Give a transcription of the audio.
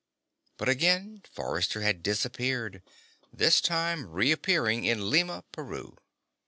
But again Forrester had disappeared, this time reappearing in Lima, Peru.